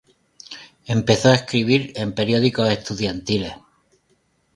Empezó a escribir en periódicos estudiantiles.